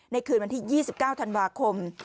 คืนวันที่๒๙ธันวาคม